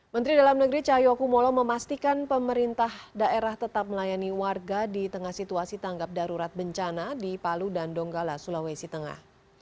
menteri dalam negeri cahyokumolo memastikan pemerintah daerah tetap melayani warga di tengah situasi tanggap darurat bencana di palu dan donggala sulawesi tengah